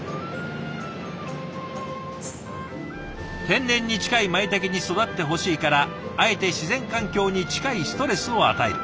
天然に近いまいたけに育ってほしいからあえて自然環境に近いストレスを与える。